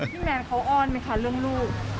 แมนเขาอ้อนไหมคะเรื่องลูก